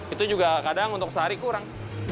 itu juga kadang untuk sehari kurang